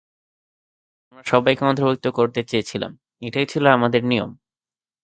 আমরা সবাইকে অন্তর্ভুক্ত করতে চেয়েছিলাম-এটাই ছিল আমাদের নিয়ম।